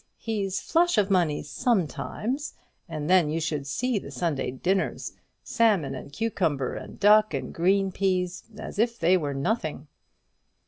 He's flush of money sometimes, and then you should see the Sunday dinners salmon and cucumber, and duck and green peas, as if they were nothing."